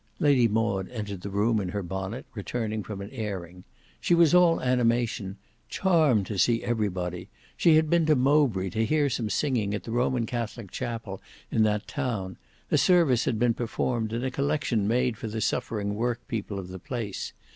Lady Maud entered the room in her bonnet, returning from an airing. She was all animation—charmed to see everybody; she had been to Mowbray to hear some singing at the Roman Catholic chapel in that town; a service had been performed and a collection made for the suffering workpeople of the place.